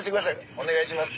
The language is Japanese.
お願いします。